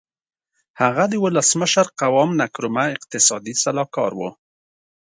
هغه د ولسمشر قوام نکرومه اقتصادي سلاکار و.